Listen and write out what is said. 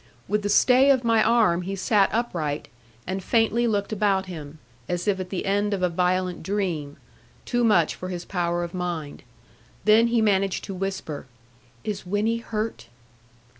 With the stay of my arm he sat upright, and faintly looked about him; as if at the end of a violent dream, too much for his power of mind. Then he managed to whisper, 'Is Winnie hurt?'